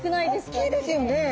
おっきいですよね。